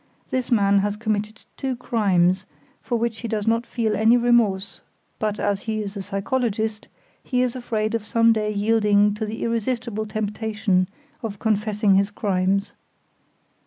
This man has committed two crimes, for which he does not feel any remorse, but, as he is a psychologist, he is afraid of some day yielding to the irresistible temptation of confessing his crimes.